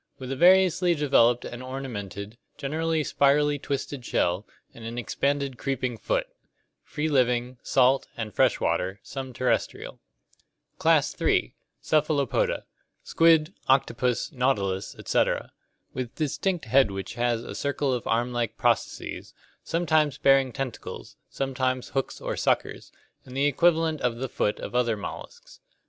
With a variously developed and ornamented, gen CLASSIFICATION OF ORGANISMS 37 erally spirally twisted shell, and an expanded creeping foot. Free living, salt and fresh water, some terrestrial. Class III. Cephalopoda (Gr. kc<£oA.iJ, head, and irovs, foot). Squid, octopus, nautilus, etc. With distinct head which has a circle of arm like processes, sometimes bearing tentacles, sometimes hooks or suckers, and the equivalent of the foot of other molluscs.